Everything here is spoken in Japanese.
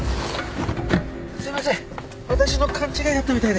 すいません私の勘違いだったみたいで。